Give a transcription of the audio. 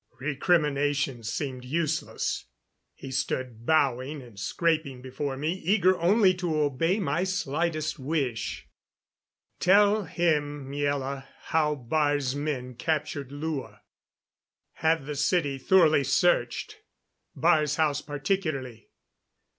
Recriminations seemed useless. He stood bowing and scraping before me, eager only to obey my slightest wish. "Tell him, Miela, how Baar's men captured Lua. Have the city, thoroughly searched Baar's house particularly.